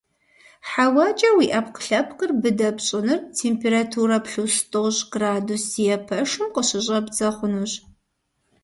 ХьэуакӀэ уи Ӏэпкълъэпкъыр быдэ пщӀыныр температурэ плюс тӀощӀ градус зиӀэ пэшым къыщыщӀэбдзэ хъунущ.